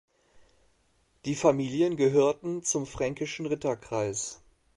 Die Familien gehörten zum Fränkischen Ritterkreis.